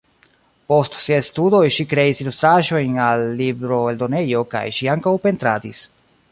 Post siaj studoj ŝi kreis ilustraĵojn al libroeldonejo kaj ŝi ankaŭ pentradis.